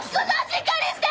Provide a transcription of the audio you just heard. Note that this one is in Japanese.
しっかりして！